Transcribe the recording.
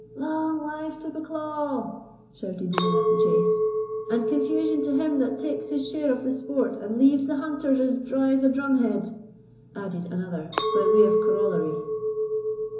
"Long life to Bucklaw!" shouted the men of the chase. "And confusion to him that takes his share of the sport, and leaves the hunters as dry as a drumhead," added another, by way of corollary.